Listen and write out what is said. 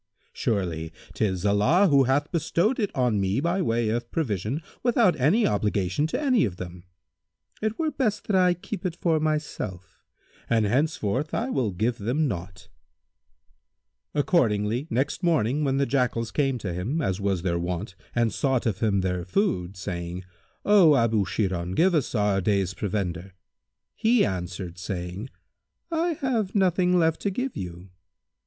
Surely, 'tis Allah who hath bestowed it on me by way of provision without any obligation to any of them. It were best that I keep it for myself, and henceforth I will give them naught." Accordingly, next morning when the Jackals came to him, as was their wont, and sought of him their food, saying, "O Abu Sirhбn,[FN#156] give us our day's provender,[FN#157]" he answered saying, "I have nothing left to give you."